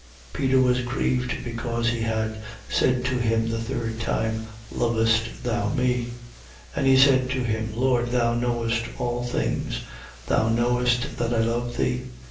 Peter was grieved because he had said to him the third time: Lovest thou me? And he said to him: Lord, thou knowest all things: thou knowest that I love thee.